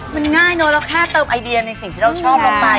มันง่ายเนอะเราแค่เติมไอเดียในสิ่งที่เราชอบลงไป